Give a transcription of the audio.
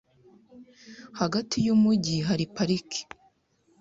Hagati yumujyi hari parike .